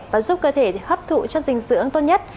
và giúp cơ thể hấp thụ chất dinh dưỡng tốt nhất